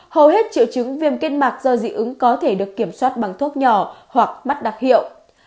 hầu hết triệu chứng viêm kết mạc do dị ứng có thể được kiểm soát bằng thuốc nhỏ hoặc mắt đặc hiệu